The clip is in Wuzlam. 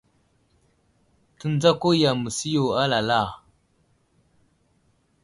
Tendzako yam məsiyo i alala.